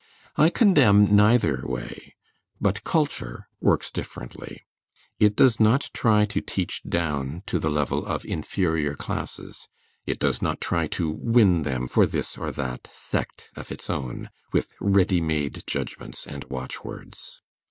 I condemn neither way; but culture works differently. It does not try to teach down to the level of inferior classes; it does not try to win them for this or that sect of its own, with ready made judgments and watchwords.